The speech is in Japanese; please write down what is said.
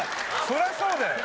そりゃそうだよ